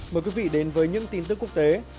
mời quý vị đến với những tin tức quốc tế